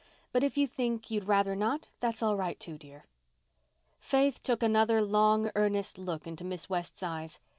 But if you think you'd rather not—that's all right, too, dear." Faith took another long, earnest look into Miss West's eyes.